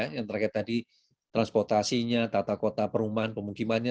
yang terkait tadi transportasinya tata kota perumahan pemukimannya